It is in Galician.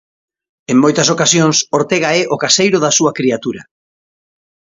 En moitas ocasións, Ortega é o caseiro da súa criatura.